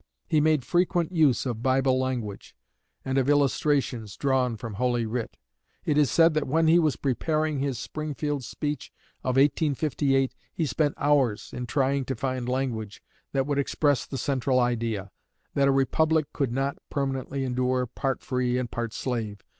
He made frequent use of Bible language, and of illustrations drawn from Holy Writ. It is said that when he was preparing his Springfield speech of 1858 he spent hours in trying to find language that would express the central idea that a republic could not permanently endure part free and part slave.